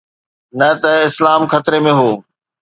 نه ته اسلام خطري ۾ هو.